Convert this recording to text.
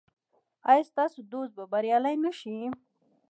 ایا ستاسو دوست به بریالی نه شي؟